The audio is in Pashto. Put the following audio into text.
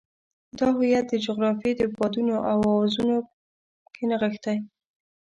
دا هویت د جغرافیې د بادونو په اوازونو کې نغښتی.